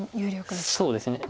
そうですね。